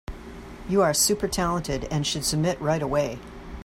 You are super talented and should submit right away.